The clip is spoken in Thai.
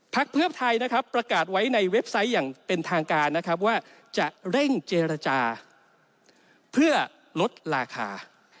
เพื่อไทยนะครับประกาศไว้ในเว็บไซต์อย่างเป็นทางการนะครับว่าจะเร่งเจรจาเพื่อลดราคา